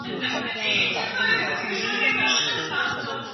祖父恒煦是清朝最后的镇国公。